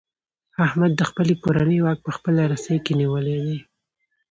احمد د خپلې کورنۍ واک په خپله رسۍ کې نیولی دی.